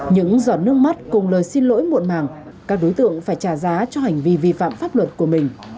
những giọt nước mắt cùng lời xin lỗi muộn màng các đối tượng phải trả giá cho hành vi vi phạm pháp luật của mình